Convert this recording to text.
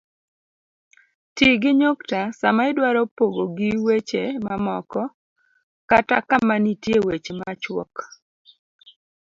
Ti gi nyukta sama idwaro pogogi weche mamoko kata kama nitie weche machuok